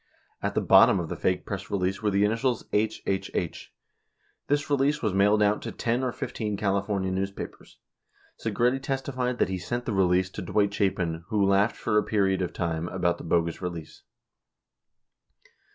At the bot tom of the fake press release were the initials HHH. This release was mailed out to 10 or 15 California newspapers. 85 Segretti testified that he sent the release to Dwight Chapin, who "laughed for a period of time" about the bogus release.